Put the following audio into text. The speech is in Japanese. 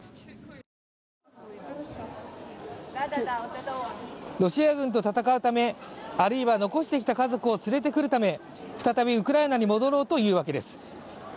ロシア軍と戦うため、あるいは残してきた家族を連れてくるため再びウクライナに戻ろうというわけです。